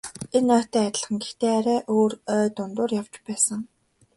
Энэ ойтой адилхан гэхдээ арай өөр ой дундуур явж байсан.